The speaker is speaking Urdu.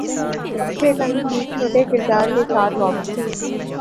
اکشے کھنہ کی چھوٹے کردار کے ساتھ واپسی